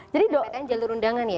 jalur undangan ya